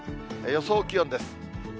予想気温です。